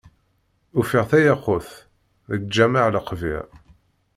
Ufiɣ tayaqut, deg lǧameɛ Lekbir.